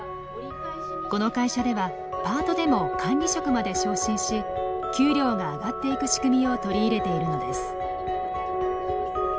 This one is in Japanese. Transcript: この会社ではパートでも管理職まで昇進し給料が上がっていく仕組みを取り入れているのです。